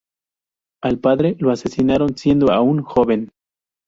Al padre lo asesinaron siendo aún joven.